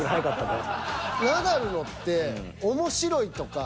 ナダルのって面白いとか